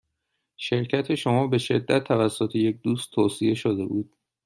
شرکت شما به شدت توسط یک دوست توصیه شده بود.